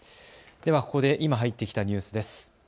ではここで今入ってきたニュースです。